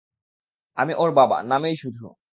আমি ওর বাবা, নামেই শুধু!